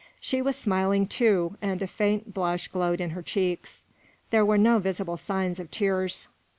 She was smiling, too, and a faint blush glowed in her cheeks. There were no visible signs of tears.